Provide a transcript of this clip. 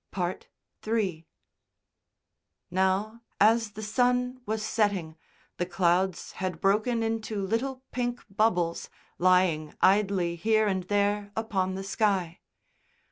III Now, as the sun was setting, the clouds had broken into little pink bubbles, lying idly here and there upon the sky.